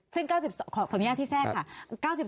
ซึ่ง๙๒ขอสัญญาที่แทรกค่ะ